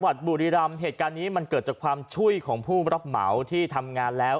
บุรีรำเหตุการณ์นี้มันเกิดจากความช่วยของผู้รับเหมาที่ทำงานแล้ว